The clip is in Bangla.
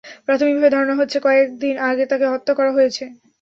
প্রাথমিকভাবে ধারণা করা হচ্ছে, কয়েক দিন আগে তাকে হত্যা করা হয়েছে।